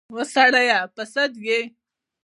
وا سړیه پر سد یې ؟